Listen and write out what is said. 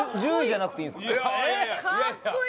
かっこいい！